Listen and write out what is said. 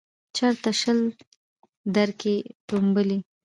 چیرته شل درکښې ټومبلی